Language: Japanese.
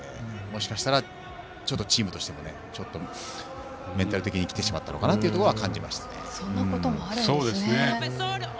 もしかしたらチームとしてちょっとメンタル的にきてしまったのかなというのは感じましたね。